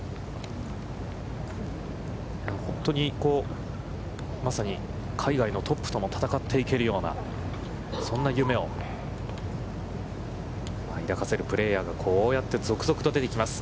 本当に海外のトップとも戦っていけるような、そんな夢を抱かせるプレーヤーがこうやって続々と出てきます。